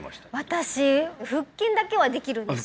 私腹筋だけはできるんですよ